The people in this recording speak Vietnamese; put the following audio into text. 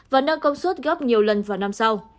và nâng công suất gấp nhiều lần vào năm sau